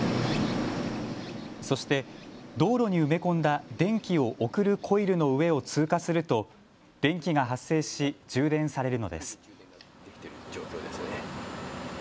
そして道路に埋め込んだ電気を送るコイルの上を通過すると電気が発生し充電されるのです。